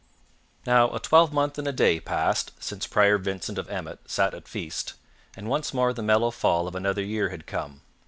Now a twelvemonth and a day passed since Prior Vincent of Emmet sat at feast, and once more the mellow fall of another year had come.